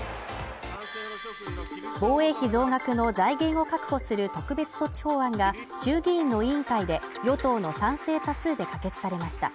防衛費増額の財源を確保する特別措置法案が衆議院の委員会で与党の賛成多数で可決されました。